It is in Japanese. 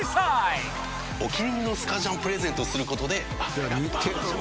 お気に入りのスカジャンをプレゼントすることで。